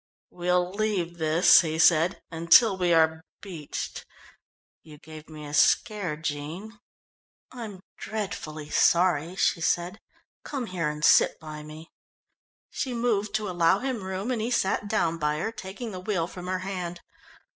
"We'll leave this," he said, "until we are beached. You gave me a scare, Jean." "I'm dreadfully sorry. Come here, and sit by me." She moved to allow him room, and he sat down by her, taking the wheel from her hand.